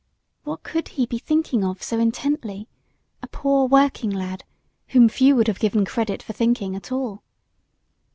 What could he be thinking of so intently? a poor working lad, whom few would have given credit for thinking at all.